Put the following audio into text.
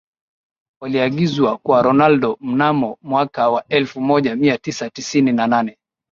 Waliagizwa kwa Ronaldo mnamo mwaka wa elfu moja mia tisa tisini na nane